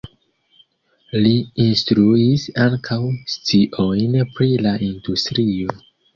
Li instruis ankaŭ sciojn pri la industrio.